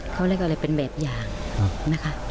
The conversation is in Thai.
เขาเรียกอะไรเป็นแบบอย่างนะคะ